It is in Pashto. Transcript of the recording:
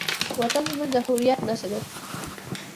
وطن زموږ د هویت نښه ده.